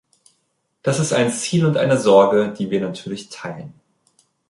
Das ist ein Ziel und eine Sorge, die wir natürlich teilen.